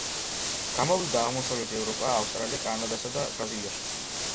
გამოვიდა აღმოსავლეთ ევროპა, ავსტრალია, კანადასა და ბრაზილიაში.